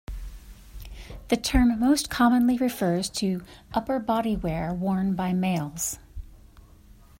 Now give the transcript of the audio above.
The term most commonly refers to upper-body wear worn by males.